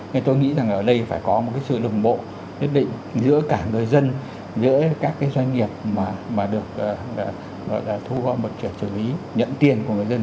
thế tôi nghĩ rằng ở đây phải có một cái sự đồng bộ nhất định giữa cả người dân giữa các cái doanh nghiệp mà được thu gói một trợ lý nhận tiền của người dân